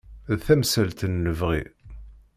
D tamsalt n lebɣi.